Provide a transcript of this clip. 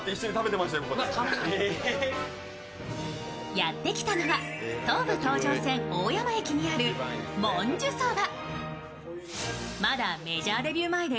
やってきたのは東武東上線・大山駅にある文殊そば。